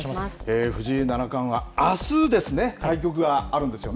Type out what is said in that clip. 藤井七冠はあすですね、対局があるんですよね。